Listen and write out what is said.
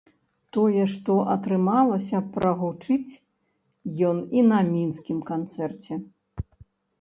Тое, што атрымалася прагучыць ён і на мінскім канцэрце.